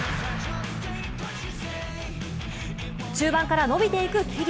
中盤から伸びていく桐生。